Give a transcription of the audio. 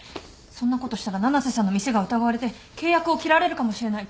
そんなことしたら七瀬さんの店が疑われて契約を切られるかもしれない。